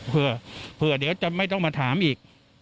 เพื่อเดี๋ยวจะไม่ต้องมาถามอีก